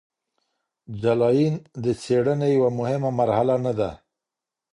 جلاین د څیړنې یوه مهمه مرحله نه ده.